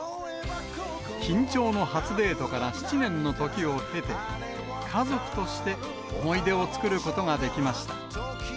緊張の初デートから７年の時を経て、家族として思い出を作ることができました。